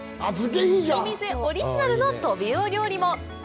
お店オリジナルのトビウオ料理も！